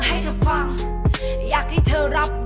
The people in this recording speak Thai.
ให้เธอฟังอยากให้เธอรับ